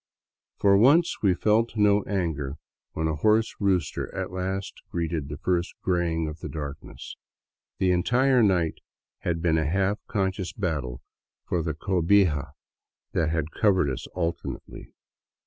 For once we felt no anger when a hoarse rooster at last greeted the first graying of the darkness. The entire night had been a half con scious battle for the cohija that had covered us alternately.